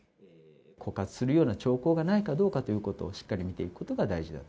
枯渇するような兆候がないかどうかということをしっかり見ていくことが大事だと。